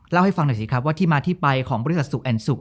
เล่าให้ฟังหน่อยสิครับว่าที่มาที่ไปของบริษัทสุแอนสุ